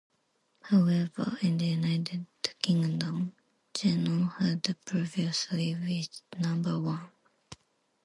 However, in the United Kingdom, "Geno" had previously reached number one.